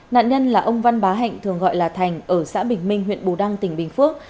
nạn nhân là ông văn bá hạnh thường gọi là thành ở xã bình minh huyện bù đăng tỉnh bình phước